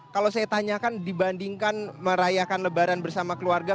kalau saya tanyakan dibandingkan merayakan lebaran bersama keluarga